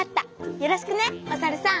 よろしくねおさるさん！